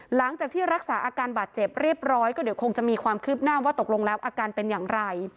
หลังจากที่รักษาอาการบาดเจ็บเรียบร้อยก็เดี๋ยวคงจะมีความคืบหน้าว่าตกลงแล้วอาการเป็นอย่างไร